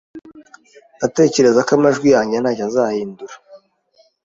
Ndatekereza ko amajwi yanjye ntacyo azahindura